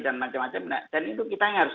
dan macam macam dan itu kita yang harus